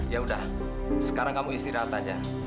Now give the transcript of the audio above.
ya udah sekarang kamu istirahat aja